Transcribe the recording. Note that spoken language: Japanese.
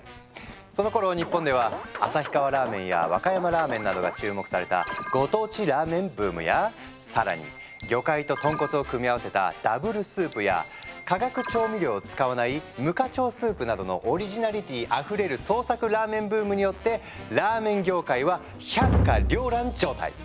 そのころ日本では旭川ラーメンや和歌山ラーメンなどが注目された「ご当地ラーメンブーム」や更に魚介と豚骨を組み合わせたＷスープや化学調味料を使わない「無化調スープ」などのオリジナリティーあふれる「創作ラーメンブーム」によってラーメン業界は百花繚乱状態。